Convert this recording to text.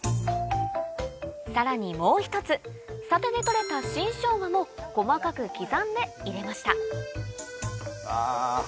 さらにもうひとつ里で採れた新ショウガも細かく刻んで入れました